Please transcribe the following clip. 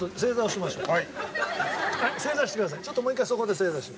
ちょっともう一回そこで正座して。